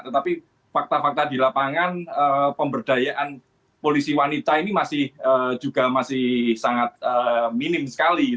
tetapi fakta fakta di lapangan pemberdayaan polisi wanita ini juga masih sangat minim sekali